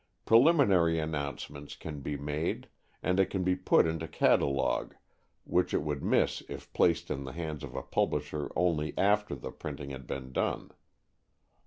Preliminary announcements can be made, and it can be put into catalogues which it would miss if placed in the hands of a publisher only after the printing had been done.